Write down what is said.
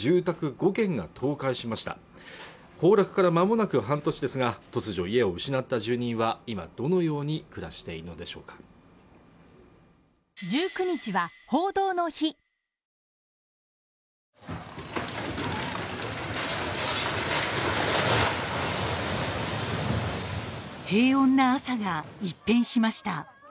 ５軒が倒壊しました崩落からまもなく半年ですが突如家を失った住人は今どのように暮らしているのでしょうか平穏な朝が一変しました